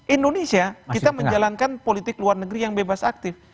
indonesia kita menjalankan politik luar negeri yang bebas aktif